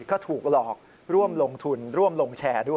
ก็ถูกหลอกร่วมลงทุนร่วมลงแชร์ด้วย